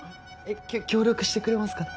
協力してくれますかね。